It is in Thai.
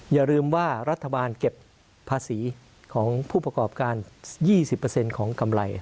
อย่าลืมว่ารัฐบาลเก็บภาษีของผู้ประกอบการ๒๐ของกำไร